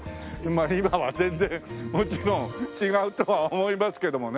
まあ今は全然もちろん違うとは思いますけどもね。